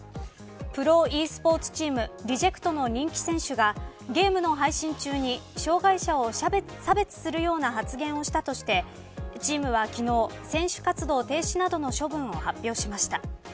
プロｅスポーツチームＲＥＪＥＣＴの人気選手がゲームの配信中に障害者を差別するような発言をしたとしてチームは昨日、選手活動停止などの処分を発表しました。